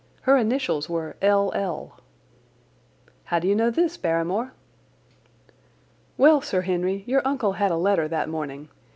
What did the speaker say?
Her initials were L. L." "How do you know this, Barrymore?" "Well, Sir Henry, your uncle had a letter that morning.